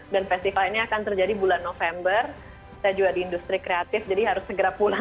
dan festival ini akan terjadi bulan november saya juga di industri kreatif jadi harus segera pulang